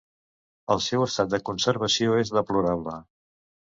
El seu estat de conservació és deplorable.